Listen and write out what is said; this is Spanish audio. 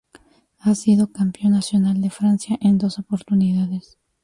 Ha sido campeón nacional de Francia en dos oportunidades.